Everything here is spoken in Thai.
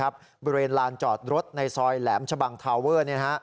บริเวณลานจอดรถในซอยแหลมชะบังทาเวอร์